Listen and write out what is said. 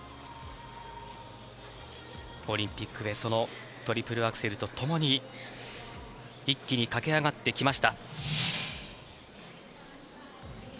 オリンピックへそのトリプルアクセルと共に一気に駆け上がってきました。